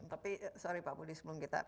tapi sorry pak budi sebelum kita